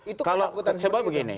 itu keanggutan seperti itu